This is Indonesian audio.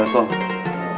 ini si john ini